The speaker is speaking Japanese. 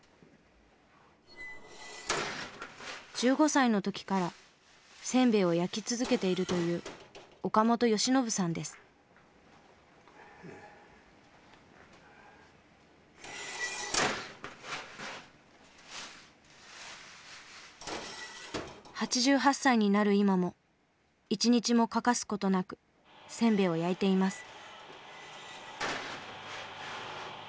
１５歳の時からせんべいを焼き続けているという８８歳になる今も一日も欠かす事なくせんべいを焼いています。